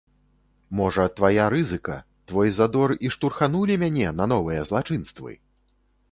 Можа, твая рызыка, твой задор і штурхнулі мяне на новыя злачынствы?